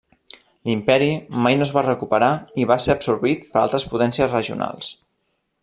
L'imperi mai no es va recuperar i va ser absorbit per altres potències regionals.